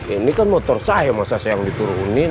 ini kan motor saya masa saya yang diturunin